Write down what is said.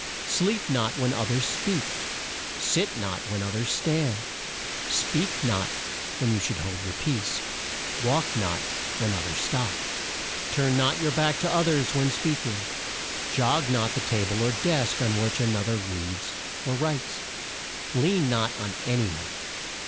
"Sleep not when o thers speak, sit not when o thers stand, speak not when you should hold your peace, walk not when o thers stop. "Turn not your back to o thers when speak ing; jog not the ta ble or desk on which an o ther reads or writes; lean not on a ny one.